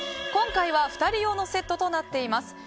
今回は２人用のセットとなっています。